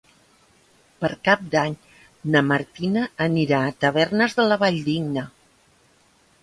Per Cap d'Any na Martina anirà a Tavernes de la Valldigna.